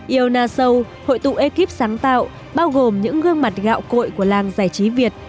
iona sâu hội tụ ekip sáng tạo bao gồm những gương mặt gạo cội của làng giải trí việt